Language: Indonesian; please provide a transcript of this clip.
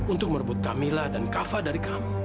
untuk merebut kamila dan kava dari kamu